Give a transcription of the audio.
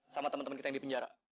sama temen temen kita yang di penjara